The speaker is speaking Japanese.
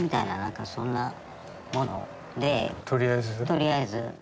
とりあえず？